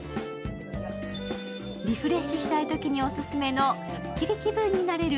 リフレッシュしたいときにオススメのすっきり気分になれる